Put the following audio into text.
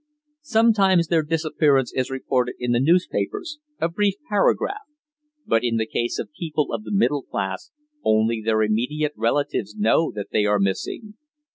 Sometimes their disappearance is reported in the newspapers a brief paragraph but in the case of people of the middle class only their immediate relatives know that they are missing.